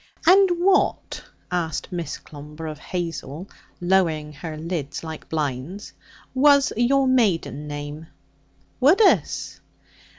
'And what,' asked Miss Clomber of Hazel, lowering her lids like blinds, 'was your maiden name?' 'Woodus.'